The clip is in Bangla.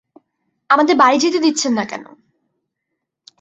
আমাদের বাড়ি যেতে দিচ্ছেন না কেন?